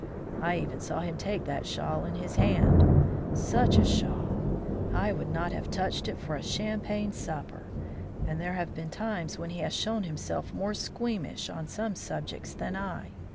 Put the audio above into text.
"I even saw him take that shawl in his hand such a shawl! I would not have touched it for a champagne supper, and there have been times when he has shown himself more squeamish on some subjects than I.